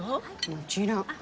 もちろん。